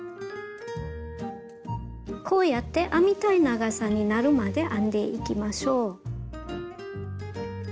こうやって編みたい長さになるまで編んでいきましょう。